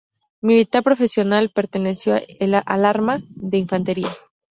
Militar profesional, perteneció al arma de infantería.